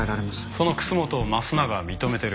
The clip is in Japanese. その楠本を益永は認めてる。